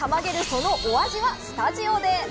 そのお味はスタジオで！